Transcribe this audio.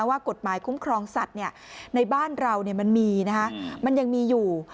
ว่ากฎหมายคุ้มครองสัตว์ในบ้านเรามันมีมันยังมีอยู่